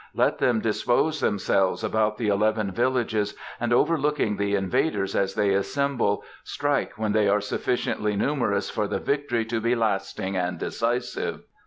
Let them dispose themselves about the eleven villages and, overlooking the invaders as they assemble, strike when they are sufficiently numerous for the victory to be lasting and decisive.